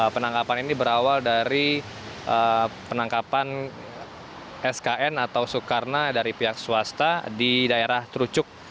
penangkapan ini berawal dari penangkapan skn atau soekarno dari pihak swasta di daerah terucuk